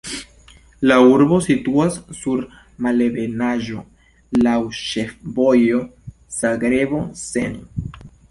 La urbo situas sur malebenaĵo, laŭ ĉefvojo Zagrebo-Senj.